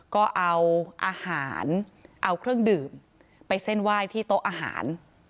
ก็เอาอาหารเอาเครื่องดื่มไปเส้นไหว้ที่โต๊ะอาหาร